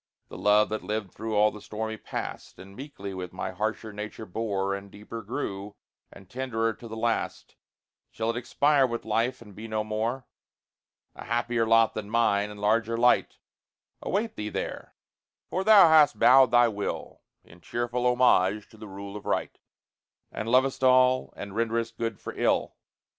The love that lived through all the stormy past, And meekly with my harsher nature bore, And deeper grew, and tenderer to the last, Shall it expire with life, and be no more? A happier lot than mine, and larger light, Await thee there; for thou hast bowed thy will In cheerful homage to the rule of right, And lovest all, and renderest good for ill.